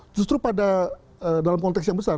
justru pada dalam konteks yang besar